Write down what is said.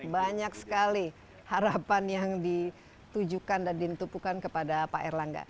banyak sekali harapan yang ditujukan dan ditupukan kepada pak erlangga